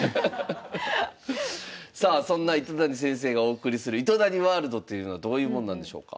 さあそんな糸谷先生がお送りする「糸谷ワールド」というのはどういうもんなんでしょうか？